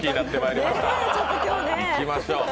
いきましょう。